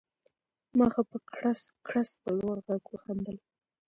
ما ښه په کړس کړس په لوړ غږ وخندل